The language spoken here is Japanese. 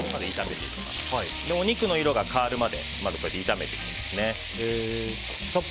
お肉の色が変わるまで炒めてください。